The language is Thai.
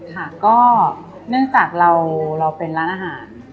ค่ะก็เนื่องจากเราเป็นร้านอาหาร